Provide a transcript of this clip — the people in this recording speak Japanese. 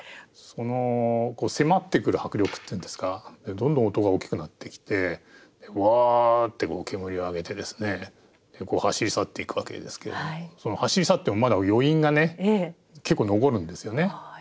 その迫ってくる迫力っていうんですかどんどん音が大きくなってきてわってこう煙を上げて走り去っていくわけですけれども走り去ってもまだ余韻が結構残るんですよね。